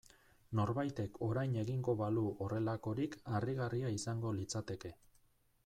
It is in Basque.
Norbaitek orain egingo balu horrelakorik harrigarria izango litzateke.